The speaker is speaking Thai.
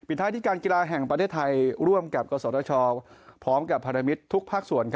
ปิดท้ายที่การกีฬาแห่งประเทศไทยร่วมกับกษัตริย์ศาสตร์พร้อมกับพารมิตรทุกภาคส่วน